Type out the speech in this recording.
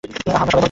আমরা সবাই মরব!